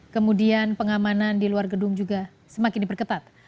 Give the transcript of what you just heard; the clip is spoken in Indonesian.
kemudian pengamanan di luar gedung juga semakin diperketat